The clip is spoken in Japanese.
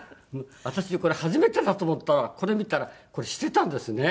私これ初めてだと思ったらこれ見たらこれしてたんですね。